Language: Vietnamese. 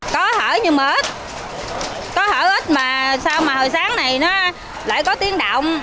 có hở nhưng mà ít có hở ít mà sao mà hồi sáng này nó lại có tiếng động